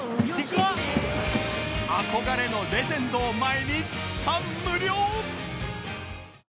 憧れのレジェンドを前に感無量！